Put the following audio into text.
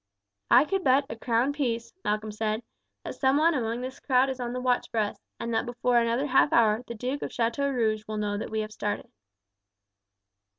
"I could bet a crown piece," Malcolm said, "that some one among this crowd is on the watch for us, and that before another half hour the Duke of Chateaurouge will know that we have started."